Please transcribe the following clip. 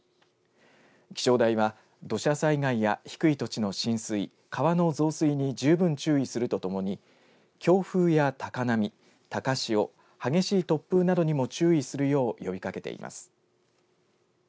気象台は土砂災害や低い土地の浸水、川の増水に十分注意するとともに強風や高波、高潮、激しい突風などにも注意するよう呼びかけています。